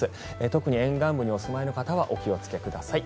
特に沿岸部にお住まいの方はお気をつけください。